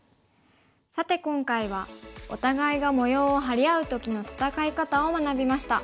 さて今回はお互いが模様を張り合う時の戦い方を学びました。